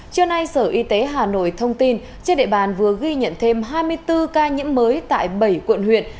trưa nay sở y tế hà nội thông tin trên địa bàn vừa ghi nhận thêm hai mươi bốn ca nhiễm mới tại bảy quận huyện